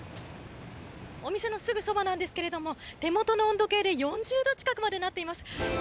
お店のすぐそばなんですけれども手元の温度計で４０度近くまでなっています。